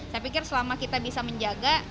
saya pikir selama kita bisa menjaga